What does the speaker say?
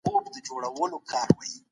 چي په مالیزیا کي مېشت سوه.